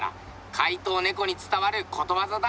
怪盗ねこに伝わることわざだ。